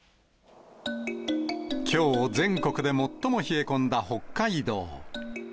きょう、全国で最も冷え込んだ北海道。